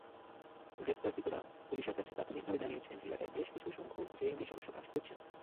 গ্রেপ্তারকৃতরা পুলিশের কাছে প্রাথমিকভাবে জানিয়েছেন, এলাকায় বেশ কিছুসংখ্যক জেএমবি সদস্য কাজ করছেন।